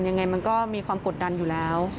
ยังไงมันก็มีความกดดันอยู่แล้ว